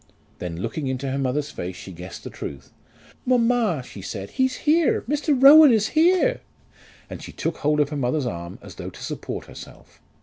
Then looking into her mother's face, she guessed the truth. "Mamma," she said, "he's here! Mr. Rowan is here!" And she took hold of her mother's arm, as though to support herself.